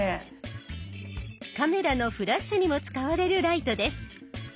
カメラのフラッシュにも使われるライトです。